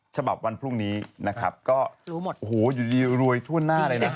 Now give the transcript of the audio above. ฉบับวันพรุ่งนี้นะครับก็รู้หมดโอ้โหอยู่ดีรวยทั่วหน้าเลยนะ